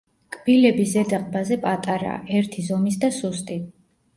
კბილები ზედა ყბაზე პატარაა, ერთი ზომის და სუსტი.